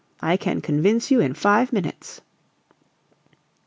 I can convince you in five minutes."